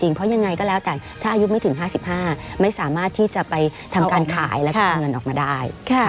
เพราะยังไงก็แล้วแต่ถ้าอายุไม่ถึง๕๕ไม่สามารถที่จะไปทำการขายแล้วก็เอาเงินออกมาได้